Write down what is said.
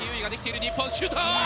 日本シュート。